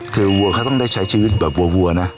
คือวัวเขาต้องได้ใช้ชีวิตแบบวัวนะ